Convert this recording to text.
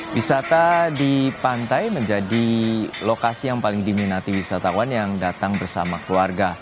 wisata di pantai menjadi lokasi yang paling diminati wisatawan yang datang bersama keluarga